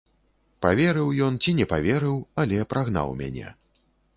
Паверыў ён ці не паверыў, але прагнаў мяне.